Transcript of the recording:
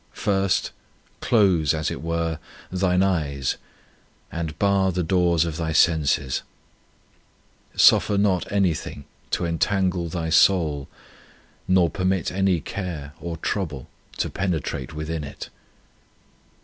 First, close, as it were, thine eyes, and bar the doors of thy senses. Suffer not anything to entangle thy soul, nor permit any care or trouble to penetrate within it.